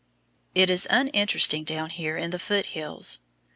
It is uninteresting down here in the Foot Hills.